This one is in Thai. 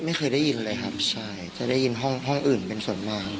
ไม่เคยได้ยินเลยครับใช่จะได้ยินห้องห้องอื่นเป็นส่วนมาก